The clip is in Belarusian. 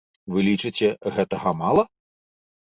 Вы лічыце, гэтага мала?